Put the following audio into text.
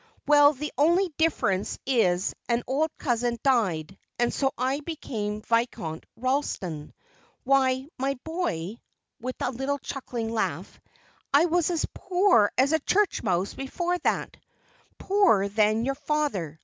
"Well, the only difference is an old cousin died, and so I became Viscount Ralston. Why, my boy," with a little chuckling laugh, "I was as poor as a church mouse before that poorer than your father.